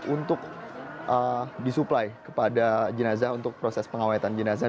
untuk disuplai kepada jenazah untuk proses pengawetan jenazah